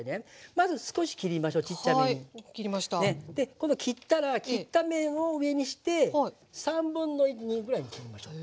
今度切ったら切った面を上にして2/3ぐらいに切りましょう。